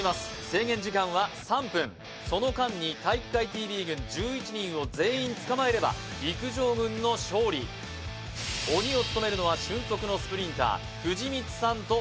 制限時間は３分その間に体育会ＴＶ軍１１人を全員捕まえれば陸上軍の勝利鬼を務めるのは俊足のスプリンター藤光さんと